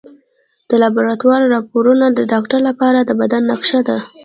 د لابراتوار راپورونه د ډاکټر لپاره د بدن نقشه ده.